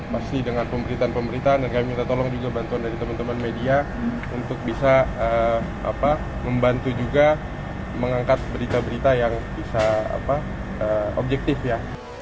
pasti dengan pemberitaan pemberitaan dan kami minta tolong juga bantuan dari teman teman media untuk bisa membantu juga mengangkat berita berita yang bisa objektif ya